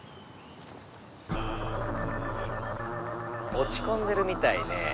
おちこんでるみたいねえ。